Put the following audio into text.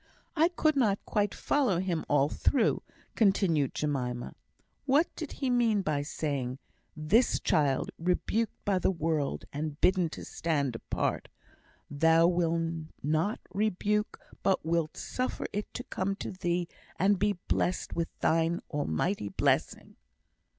"I could not quite follow him all through," continued Jemima; "what did he mean by saying, 'This child, rebuked by the world and bidden to stand apart, Thou wilt not rebuke, but wilt suffer it to come to Thee and be blessed with Thine almighty blessing'?